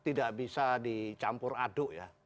tidak bisa dicampur aduk ya